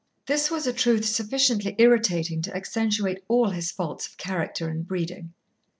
This was a truth sufficiently irritating to accentuate all his faults of character and breeding.